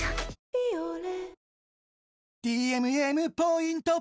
「ビオレ」